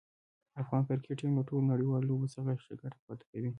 افغان کرکټ ټیم له ټولو نړیوالو لوبو څخه ښه ګټه پورته کوي.